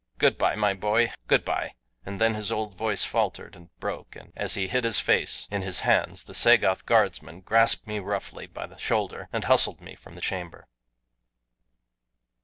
Good bye, my boy, good bye!" and then his old voice faltered and broke, and as he hid his face in his hands the Sagoth guardsman grasped me roughly by the shoulder and hustled me from the chamber.